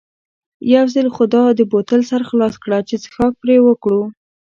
یو ځل خو دا د بوتل سر خلاص کړه چې څښاک پرې وکړو.